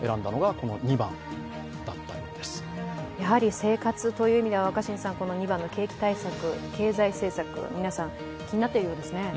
生活という意味では２番の景気対策経済政策、皆さん気になっているようですね？